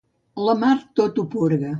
La mar tot ho purga.